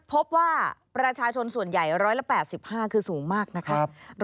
พบว่าประชาชนส่วนใหญ่๑๘๕คือสูงมากนะครับ